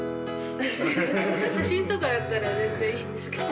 写真とかやったら全然いいんですけど。